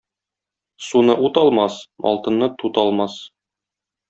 Суны ут алмас, алтынны тут алмас.